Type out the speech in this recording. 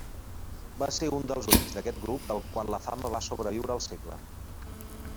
Va ser un dels únics d'aquest grup del qual la fama va sobreviure el segle.